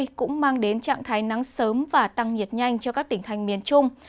phía tây cũng mang đến trạng thái nắng sớm và tăng nhiệt nhanh cho các tỉnh thành miền trung